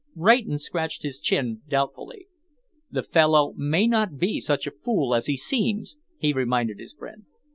Rayton scratched his chin doubtfully. "The fellow may not be such a fool as he seems," he reminded his friend.